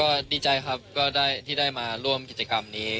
ก็ดีใจครับก็ได้ที่ได้มาร่วมกิจกรรมนี้